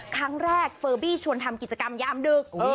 ครั้งแรกเฟอร์บี้ชวนทำกิจกรรมยามดึก